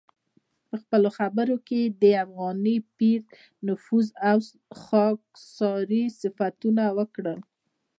په خپلو خبرو کې یې د افغاني پیر نفوذ او خاکساري صفتونه وکړل.